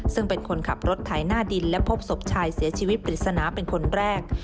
ซึ่งเป็นคนขับรถไถหน้าดินและพบศพชายเสียชีวิตปริศนาเป็นคนแรก